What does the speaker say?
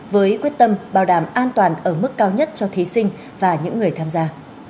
với quyết tâm bảo đảm an toàn ở mức cao nhất cho thí sinh và những người tham gia